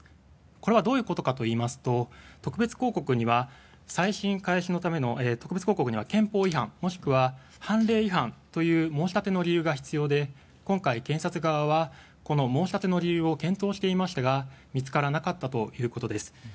これはどういうことかといいますと特別抗告には再審開始のためには、憲法違反もしくは判例違反という申し立ての理由が必要で今回、検察側は申し立ての理由を検討していましたが見つからなかったということです。